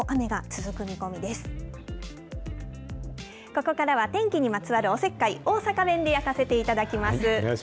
ここからは天気にまつわるおせっかい、大阪弁で焼かせていただきます。